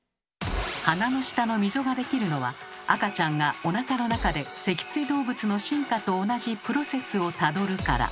鼻の下の溝ができるのは赤ちゃんがおなかの中で脊椎動物の進化と同じプロセスをたどるから。